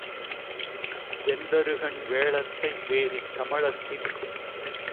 வெந்தறுகண் வேழத்தை வேரிக் கமலத்தின்